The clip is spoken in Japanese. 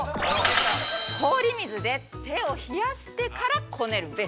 氷水で手を冷やしてからこねるべし。